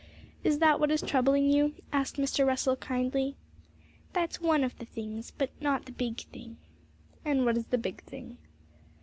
'Is that what is troubling you?' asked Mr. Russell kindly. 'That's one of the things, but not the big thing.' 'And what is the big thing?'